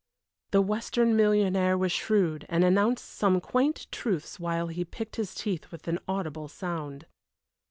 The Western millionaire was shrewd, and announced some quaint truths while he picked his teeth with an audible sound.